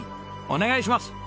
お願いします！